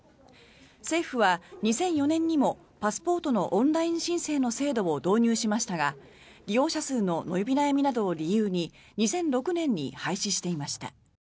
政府は２００４年にもパスポートのオンライン申請の制度を導入しましたが利用者数の伸び悩みなどを理由に２００６年に廃止していました。